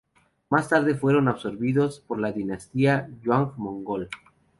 Más tarde fueron absorbidos por la dinastía Yuan mongol.